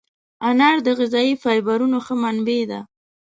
انار د غذایي فایبرونو ښه منبع ده.